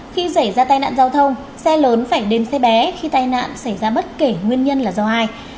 khi xảy ra tai nạn giao thông xe lớn phải đến xe bé khi tai nạn xảy ra bất kể nguyên nhân là do ai